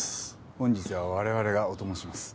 本日は我々がお供します。